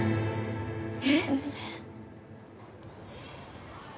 えっ？